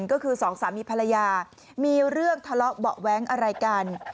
ก็คือสองสามีภรรยามีเรื่องทะเลาะเบาะแว้งอะไรกัน